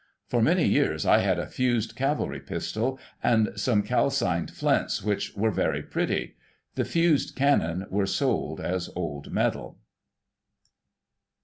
For many years I had a fused cavalry pistol, and some calcined flints which were very pretty. The fused cannon were sold as old metal.